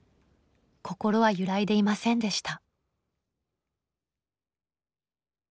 心は揺らいでいませんでした。